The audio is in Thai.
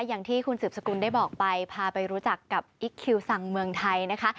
อย่างที่คุณสืบสกุลได้บอกไปพาไปรู้จักกับอิ๊กคิวสังเมืองไทยนะคะ